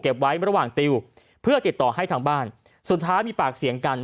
ไว้ระหว่างติวเพื่อติดต่อให้ทางบ้านสุดท้ายมีปากเสียงกัน